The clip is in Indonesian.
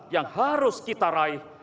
yang harus kita raih